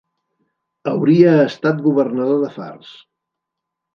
Hauria estat governador de Fars.